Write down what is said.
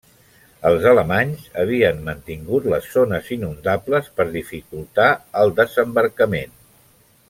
Els alemanys havien mantingut les zones inundables per dificultar el desembarcament.